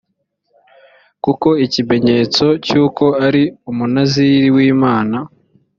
kuko ikimenyetso cy uko ari umunaziri w imana